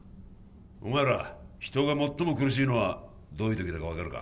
お前ら人が最も苦しいのはどういう時だか分かるか？